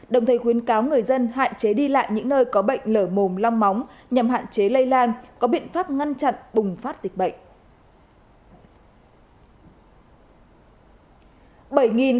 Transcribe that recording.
đồng thời khuyến cáo người dân hạn chế đi lại những nơi có bệnh lở mồm long móng nhằm hạn chế lây lan có biện pháp ngăn chặn bùng phát dịch bệnh